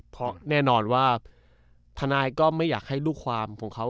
เพราะแน่นอนว่าทนายก็ไม่อยากให้ลูกความของเขา